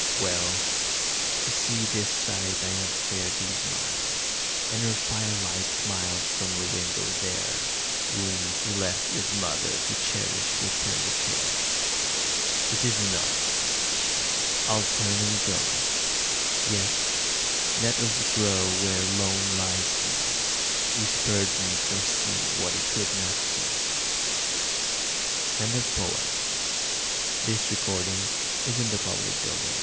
Well, to see this sight I have fared these miles, And her firelight smiles from her window there, Whom he left his mother to cherish with tender care! It is enough. I'll turn and go; Yes, nettles grow where lone lies he, Who spurned me for seeing what he could not see. IN A WAITING ROOM ON a morning sick as the day of doom